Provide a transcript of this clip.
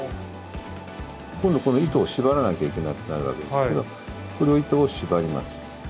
今度この糸を縛らなきゃいけなくなるわけですけどこの糸を縛ります。